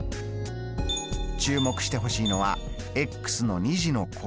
注目してほしいのはの２次の項。